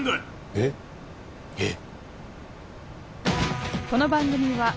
えっ！？えっ！？